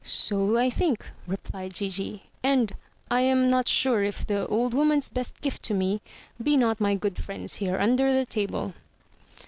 "So I think," replied Gigi; "and I am not sure if the old wo man's best gift to me be not my good friends here under the table."